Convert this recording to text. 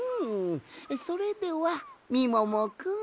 それではみももくん。